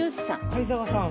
相澤さん？